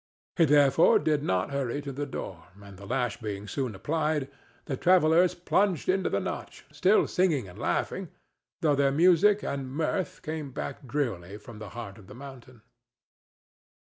He therefore did not hurry to the door, and, the lash being soon applied, the travellers plunged into the Notch, still singing and laughing, though their music and mirth came back drearily from the heart of the mountain.